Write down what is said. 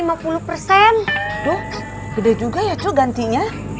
aduh gede juga ya coba gantinya